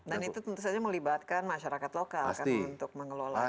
dan itu tentu saja melibatkan masyarakat lokal kan untuk mengelolanya